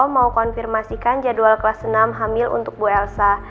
mau konfirmasikan jadwal kelas enam hamil untuk bu elsa